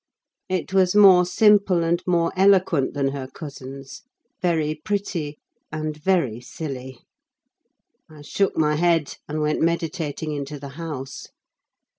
It was more simple and more eloquent than her cousin's: very pretty and very silly. I shook my head, and went meditating into the house.